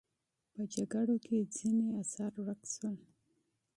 په جنګونو کې ځینې اثار ورک شول